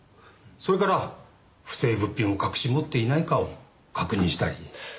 それから不正物品を隠し持っていないかを確認したり。